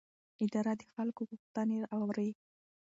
اداره د خلکو غوښتنې اوري.